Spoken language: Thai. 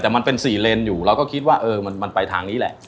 แต่มันเป็น๔เลนอยู่เราก็คิดว่าเออมันไปทางนี้แหละ